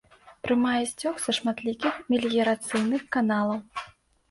Прымае сцёк са шматлікіх меліярацыйных каналаў.